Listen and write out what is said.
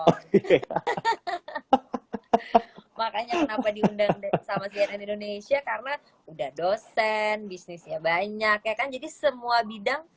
oke makanya kenapa diundang sama cnn indonesia karena udah dosen bisnisnya banyak ya kan jadi semua bidang